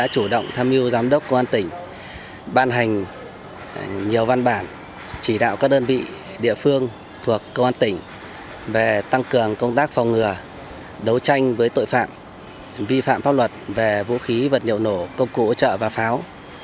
chủ động tham mưu giám đốc công an tỉnh ban hành nhiều văn bản chỉ đạo các đơn vị địa phương thuộc công an tỉnh về tăng cường công tác phòng ngừa đấu tranh với tội phạm vi phạm pháp luật về vũ khí vật liệu nổ công cụ hỗ trợ và pháo